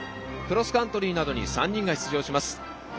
クロスカントリーなどに３人が出場します。